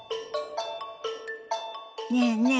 ねえねえ